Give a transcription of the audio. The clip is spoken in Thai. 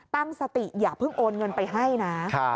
ตั้งสติอย่าเพิ่งโอนเงินไปให้นะ